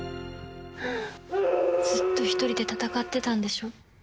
ずっと１人で戦ってたんでしょ。